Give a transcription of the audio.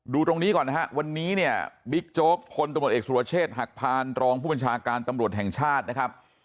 ตรงนี้ก่อนนะฮะวันนี้เนี่ยบิ๊กโจ๊กพลตำรวจเอกสุรเชษฐ์หักพานรองผู้บัญชาการตำรวจแห่งชาตินะครับ